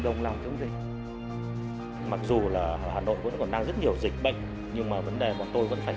chống dịch mặc dù là hà nội vẫn còn đang rất nhiều dịch bệnh nhưng mà vấn đề của tôi vẫn phải